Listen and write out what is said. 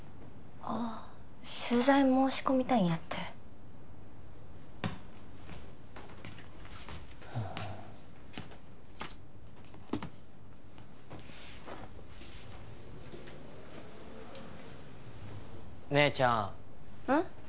ああ取材申し込みたいんやって姉ちゃんうん？